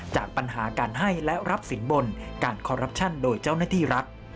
จากปัญหาการให้และรับสินบนการคอรัปชั่นโดยเจ้าหน้าที่รัฐ